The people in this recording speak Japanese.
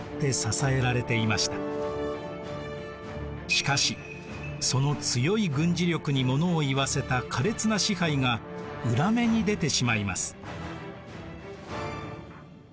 しかしその強い軍需力にものをいわせた苛烈な支配が裏目に出てしまいます。